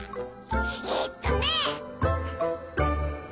えっとね！